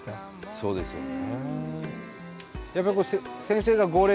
そうですね。